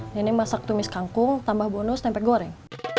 ini masak tumis kangkung tambah bonus tempe goreng